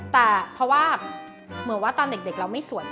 แต่เพราะว่าเหมือนว่าตอนเด็กเราไม่สวย